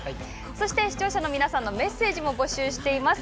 そして、視聴者の皆さんのメッセージも募集してます。